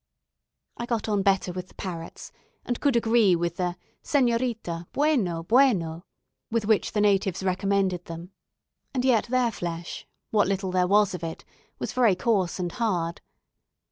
I got on better with the parrots, and could agree with the "senorita, buono buono" with which the natives recommended them; and yet their flesh, what little there was of it, was very coarse and hard.